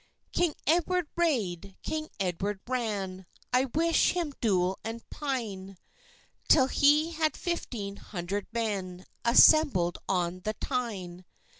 King Edward rade, King Edward ran— I wish him dool and pyne! Till he had fifteen hundred men Assembled on the Tyne.